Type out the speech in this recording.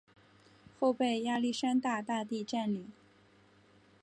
后被亚历山大大帝占领。